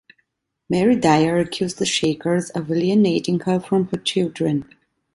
Mary Dyer accused the Shakers of alienating her from her children.